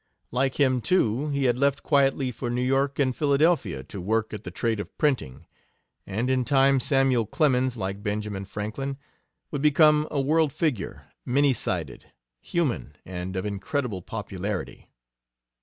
Like him, too, he had left quietly for New York and Philadelphia to work at the trade of printing, and in time Samuel Clemens, like Benjamin Franklin, would become a world figure, many sided, human, and of incredible popularity.